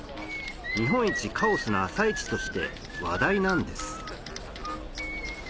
日本一カオスな朝市として話題なんです